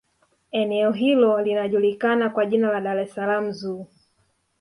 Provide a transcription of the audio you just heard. eneo hilo linajukikana kwa jina la dar es salaam zoo